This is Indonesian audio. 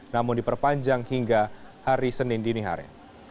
namun diperpanjang hingga hari senin dinihari